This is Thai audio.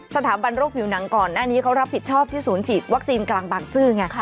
สถาบันโรคผิวหนังก่อนหน้านี้เขารับผิดชอบที่ศูนย์ฉีดวัคซีนกลางบางซื่อไง